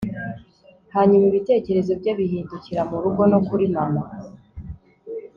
hanyuma ibitekerezo bye bihindukira murugo no kuri mama